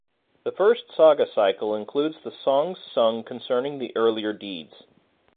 The first saga-cycle includes the songs sung concerning the earlier deeds.